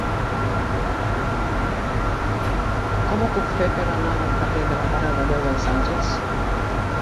Com ho puc fer per anar al carrer de la Mare de Déu dels Àngels?